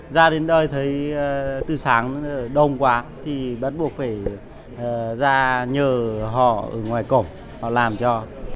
ra đến đây thấy từ sáng đồng quá thì bắt buộc phải ra nhờ họ ở ngoài cổng họ làm cho